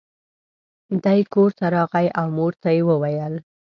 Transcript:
دی کور ته راغی او مور ته یې وویل.